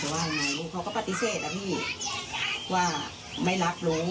แต่ว่าเขาก็ปฏิเสธนะพี่ว่าไม่รับรู้